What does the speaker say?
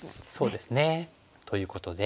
そうですね。ということで。